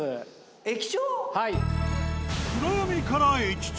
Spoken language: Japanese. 駅長？